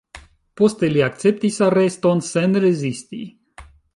Poste li akceptis areston sen rezisti.